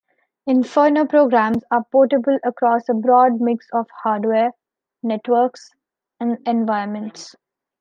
Inferno programs are portable across a broad mix of hardware, networks, and environments.